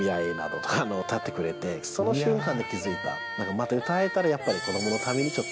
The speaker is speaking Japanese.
また歌えたらやっぱり。